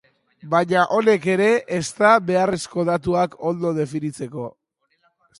Baina honek ere ez da beharrezko datuak ondo definitzeko.